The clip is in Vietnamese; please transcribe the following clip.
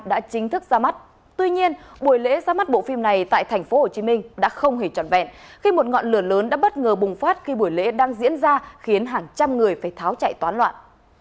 đã chính thức ra mắt tuy nhiên buổi lễ ra mắt bộ phim này tại tp hcm đã không hề trọn vẹn khi một ngọn lửa lớn đã bất ngờ bùng phát khi buổi lễ đang diễn ra khiến hàng trăm người phải tháo chạy toán loạn